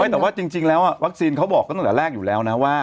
แต่ว่าจริงแล้ววัคซีนเขาบอกตั้งแต่แรกอยู่แล้วนะว่า